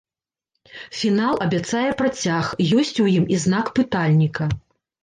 Фінал абяцае працяг, ёсць у ім і знак пытальніка.